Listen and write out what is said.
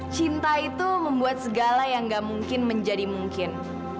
cinta itu membuat segala yang gak mungkin menjadi mungkin